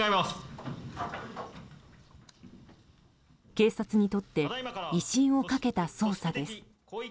警察にとって威信をかけた捜査です。